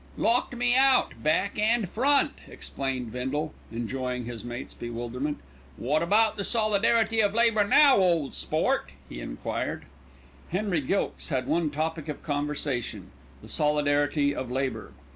"Locked me out, back and front," explained Bindle, enjoying his mate's bewilderment. "Wot about the solidarity of labour now, ole sport?" he enquired. Henry Gilkes had one topic of conversation "the solidarity of labour."